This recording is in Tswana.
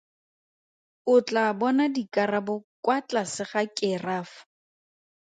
O tlaa bona dikarabo kwa tlase ga kerafo.